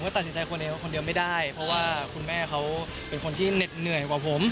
ตัดสินใจคนเดียวคนเดียวไม่ได้เพราะว่าคุณแม่เขาเป็นคนที่เหน็ดเหนื่อยกว่าผม